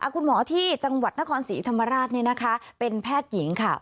คุณหมอที่จังหวัดนครศรีธรรมราชเป็นแพทย์หญิงค่ะ